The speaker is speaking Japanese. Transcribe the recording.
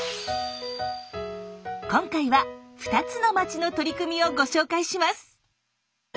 今回は２つの町の取り組みをご紹介します。